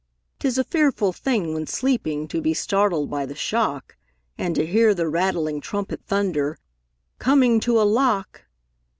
'Tis a fearful thing when sleeping To be startled by the shock, And to hear the rattling trumpet Thunder, "Coming to a lock!"